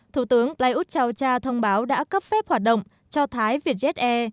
thủ tướng plei ut chau cha thông báo đã cấp phép hoạt động cho thái việt jse